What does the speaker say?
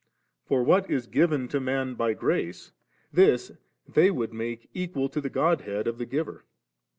For what is given to man by grace, this they would make equal to the God head of the Giver.